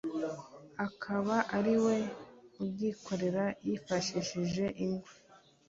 akaba ari we ubyikorera yifashishije ingwa